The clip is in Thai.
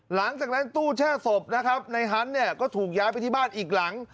หลังจากนั้นตู้แช่ศพในฮันต์ก็ถูกย้ายไปที่บ้านอีกหลัง